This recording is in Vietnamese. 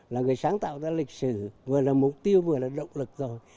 là người sáng tạo ra lịch sử vừa là mục tiêu vừa là động lực rồi